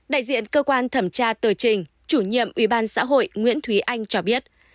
đại diện cơ quan thẩm tra tờ trình chủ nhiệm ubxh nguyễn thúy anh cho biết